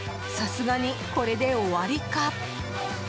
さすがにこれで終わりか。